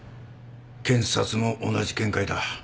検察も同じ見解だ。